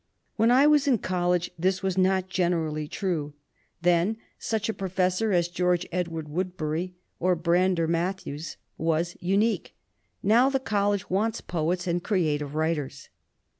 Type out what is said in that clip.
"When I was in college this was not generally true. Then such a professor as George Edward Woodberry or Brander Matthews was unique. Now the college wants poets and creative writers."